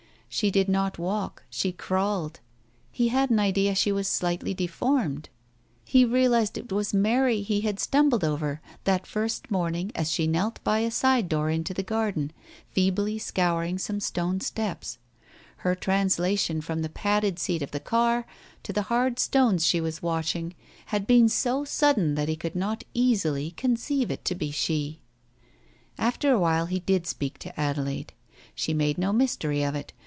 She did not walk, she crawled; he had an idea she was slightly deformed? He realized that it was Mary he had stumbled over that first morning as she knelt by a side door into the garden, feebly scouring some stone steps. Her translation from the padded seat of the car to the hard stones she was washing had been so sudden that he could not easily conceive it to be she. After a while he did speak to Adelaide. She made no mystery of it.